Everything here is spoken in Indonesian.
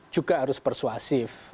juga harus persuasif